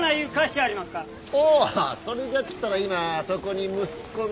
ああそれじゃったら今そこに息子の。